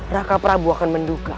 raka prabu akan menduga